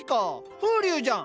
風流じゃん。